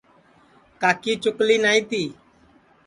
کاکی چُکلی نائی تی